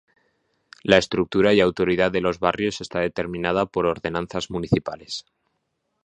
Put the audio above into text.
La estructura y autoridad de los barrios está determinada por ordenanzas municipales.